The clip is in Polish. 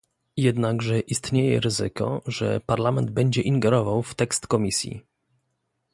Jednakże istnieje ryzyko, że Parlament będzie ingerował w tekst Komisji